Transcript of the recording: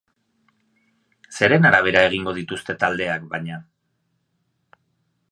Zeren arabera egingo dituzte taldeak, baina?